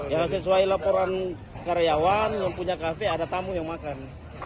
ya sesuai laporan karyawan yang punya kafe ada tamu yang makan